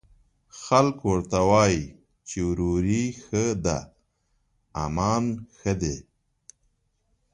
خلک ورته وايي، چې وروري ښه ده، امان ښه دی